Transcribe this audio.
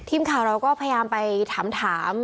ทีมข่าวเราก็พยายามไปถาม